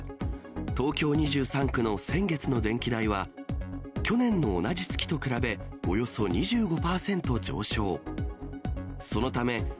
東京２３区の先月の電気代は、去年の同じ月と比べ、およそ２５％上昇。